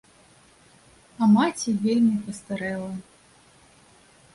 А маці вельмі пастарэла.